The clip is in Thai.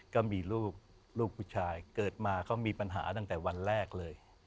ก็มีลูกลูกผู้ชายเกิดมาเขามีปัญหาตั้งแต่วันแรกเลย